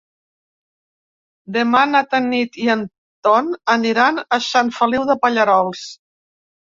Demà na Tanit i en Ton aniran a Sant Feliu de Pallerols.